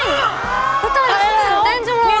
อุ้ยตอนนี้ฉันตื่นเต้นจังเลยเนี่ย